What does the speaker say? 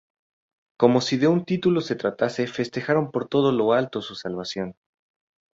Como si de un título se tratase festejaron por todo lo alto su salvación.